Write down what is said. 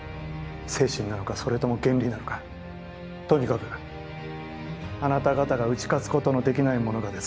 精神なのかそれとも原理なのかとにかくあなた方が打ち勝つことのできないものがです。